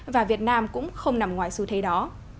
và việt nam cũng không nằm ngoài xu thế đó